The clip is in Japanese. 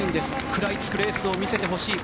食らいつくレースをしてほしい。